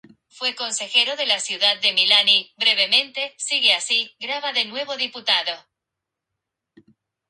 Fue consejero de la ciudad de Milán y, brevemente, diputado.